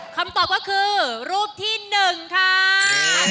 คำตอบก็คือรูปที่๑ค่ะ